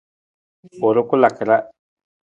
U rukulaka ra.